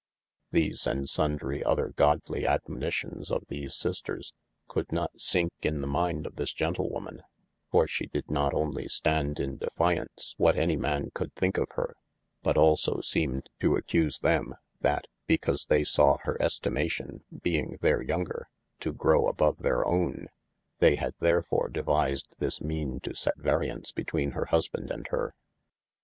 These and sundry other Godly admonitions of these sisters, could not sink in the mind of this gentlewoman, for she dyd not only stand in defiaunce what any man could thinke of hir, but also seemed to accuse them, that (because they saw hir estimation (being their yonger) to grow above their owne) they had therefore devised this meane to set variance betwene hir husbande and hir.